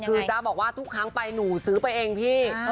คือจ๊ะบอกว่าทุกครั้งไปหนูซื้อไปเองพี่